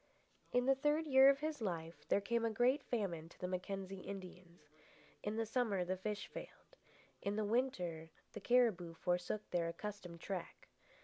In the third year of his life there came a great famine to the Mackenzie Indians. In the summer the fish failed. In the winter the cariboo forsook their accustomed track.